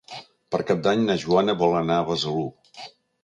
Per Cap d'Any na Joana vol anar a Besalú.